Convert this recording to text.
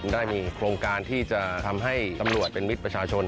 ได้มีโครงการที่จะทำให้ตำรวจเป็นมิตรประชาชน